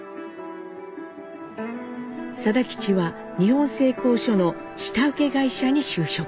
定吉は日本製鋼所の下請け会社に就職。